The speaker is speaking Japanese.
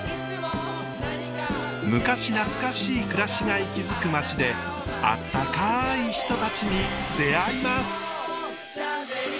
昔懐かしい暮らしが息づく町であったかい人たちに出会います。